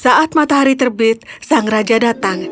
saat matahari terbit sang raja datang